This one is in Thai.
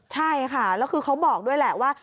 ใช่ค่ะแล้วคือเขาบอกด้วยแหละว่า